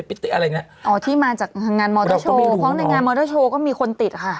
พอในงานมอเตอร์โชว์ก็มีคนติดค่ะ